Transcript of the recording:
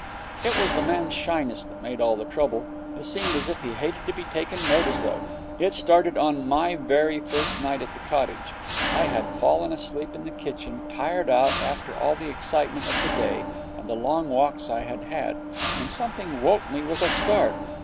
It was the man's shyness that made all the trouble. It seemed as if he hated to be taken notice of. It started on my very first night at the cottage. I had fallen asleep in the kitchen, tired out after all the excitement of the day and the long walks I had had, when something woke me with a start.